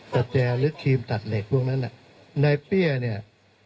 แจหรือครีมตัดเหล็กพวกนั้นน่ะนายเปี้ยเนี่ย